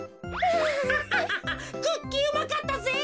クッキーうまかったぜ。